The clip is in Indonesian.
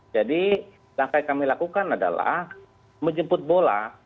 jadi langkah yang kami lakukan adalah menjemput bola